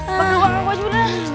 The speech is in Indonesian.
oke gue ngapain juga